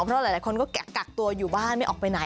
เพราะหลายคนก็กักตัวอยู่บ้านไม่ออกไปไหน